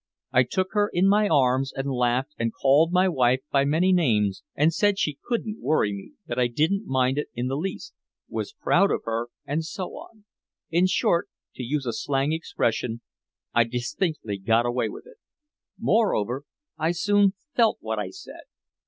I took her in my arms and laughed and called my wife by many names and said she couldn't worry me, that I didn't mind it in the least, was proud of her and so on. In short, to use a slang expression, I distinctly got away with it. Moreover, I soon felt what I said.